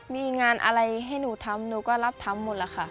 มีงานอะไรให้หนูทำหนูก็รับทำหมดแล้วค่ะ